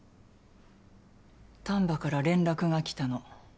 丹波から連絡が来たの。